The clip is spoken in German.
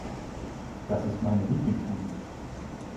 Das ist meine Lieblingsmusik.